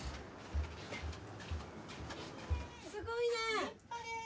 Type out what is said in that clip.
すごいね。